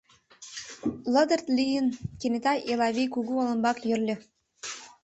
Лыдырт лийын, кенета Элавий кугу олымбак йӧрльӧ.